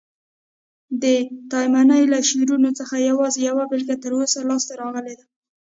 د تایمني له شعرونو څخه یوازي یوه بیلګه تر اوسه لاسته راغلې ده.